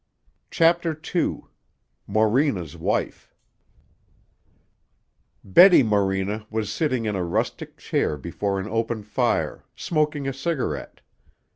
CHAPTER II MORENA'S WIFE Betty Morena was sitting in a rustic chair before an open fire, smoking a cigarette.